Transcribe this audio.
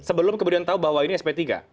sebelum kemudian tahu bahwa ini sp tiga